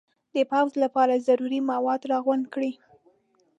د پوځ لپاره ضروري مواد را غونډ کړي.